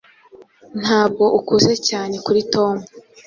Ntabwo ukuze cyane kuri Tom